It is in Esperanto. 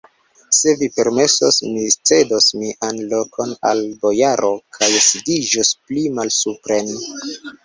Se vi permesos, mi cedos mian lokon al la bojaro kaj sidiĝos pli malsupren.